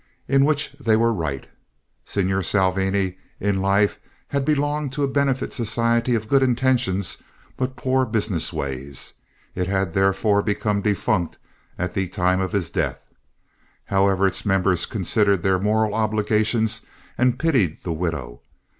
In which they were right. Signor Salvini in life had belonged to a benefit society of good intentions but poor business ways. It had therefore become defunct at the time of his death. However, its members considered their moral obligations and pitied the widow.